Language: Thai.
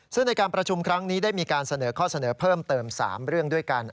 ซึ่งในการประชุมครั้งนี้ได้มีการเสนอข้อเสนอเพิ่มเติม๓เรื่องด้วยกัน